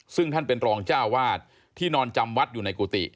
ซึ่งท่านเป็นรองเจ้าวาดที่นอนจำวัดอยู่ในกุฏิ